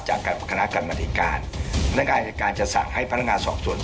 กับคณะกรรมธิการพนักงานอายการจะสั่งให้พนักงานสอบสวน